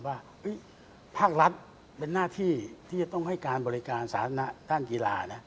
ภาครัฐเป็นหน้าที่ที่จะต้องให้การบริการสาธารณะด้านกีฬานะ